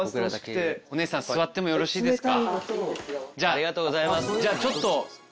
ありがとうございます。